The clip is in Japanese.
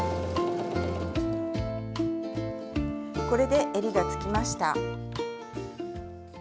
これでえりがつきました。